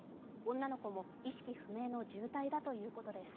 女の子も意識不明の重体だということです。